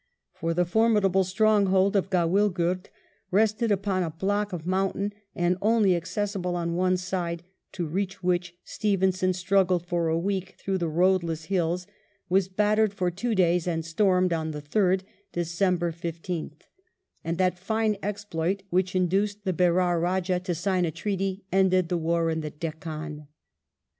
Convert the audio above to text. For the formidable stronghold of Gawilghur, built upon a block of mountain and only accessible on one side, to reach which Stevenson struggled for a week through the roadless hills, was battered for two days and stormed on the third (December 15th) ; and that fine exploit, which induced the Berar Eajah to sign a treaty, ended the war in the Deccan.